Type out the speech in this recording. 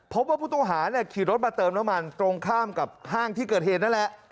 พบว่าผู้ต้องหาขี่รถมาเติมน้ำมันตรงข้ามกับห้างที่เกิดเหตุนั่นแหละ